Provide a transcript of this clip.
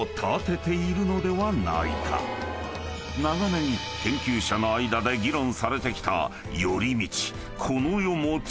［長年研究者の間で議論されてきた］